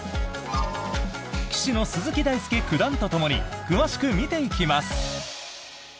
棋士の鈴木大介九段とともに詳しく見ていきます。